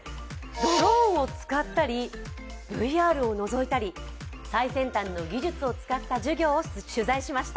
ドローンを使ったりＶＲをのぞいたり、最先端の技術を使った授業を取材しました。